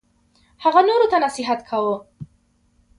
هغه نورو ته نصیحت کاوه.